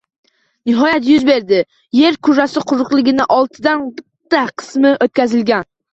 Nihoyat, yuz berdi! Yer kurrasi quruqligining oltidan bir qismida o‘tkazilgan